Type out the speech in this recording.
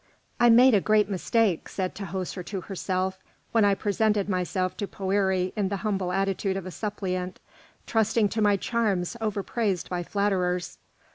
"I made a great mistake," said Tahoser to herself, "when I presented myself to Poëri in the humble attitude of a suppliant, trusting to my charms overpraised by flatterers.